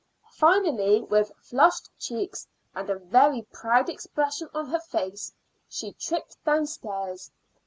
Finally, with flushed cheeks and a very proud expression on her face, she tripped downstairs.